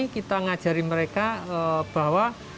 kita ngajari mereka bahwa